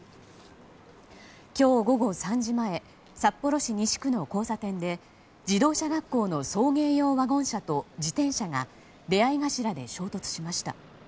今日午後３時前札幌市西区の交差点で自動車学校の送迎用ワゴン車と自転車が出合い頭で衝突しました。